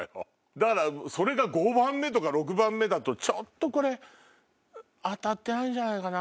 だからそれが５番目とか６番目だとちょっとこれ当たってないんじゃないかな。